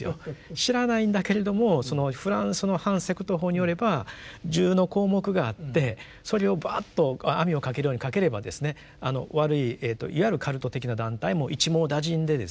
知らないんだけれどもフランスの反セクト法によれば１０の項目があってそれをバッと網をかけるようにかければですね悪いいわゆるカルト的な団体も一網打尽でですね